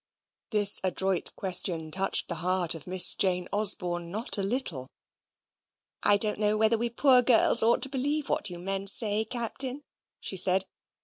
This adroit question touched the heart of Miss Jane Osborne not a little. "I don't know whether we poor girls ought to believe what you men say, Captain," she said.